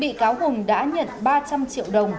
bị cáo hùng đã nhận ba trăm linh triệu đồng